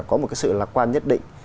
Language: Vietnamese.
có một cái sự lạc quan nhất định